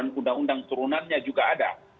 undang undang turunannya juga ada